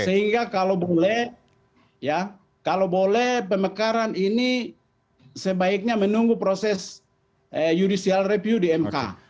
sehingga kalau boleh pemekaran ini sebaiknya menunggu proses judicial review di mk